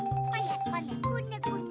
こねこね。